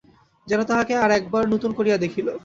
যেন তাহাকে আর-একবার নূতন করিয়া দেখিল।